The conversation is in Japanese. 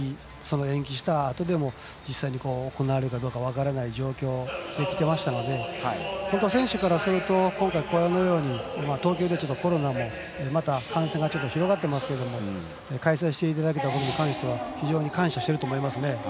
延期したあとでも実際に行われるかどうか分からない状況になっていましたので本当は選手からすると今回、ご覧のように東京でコロナもまた感染が広がってますが開催していただけたことに関しては非常に感謝していると思います。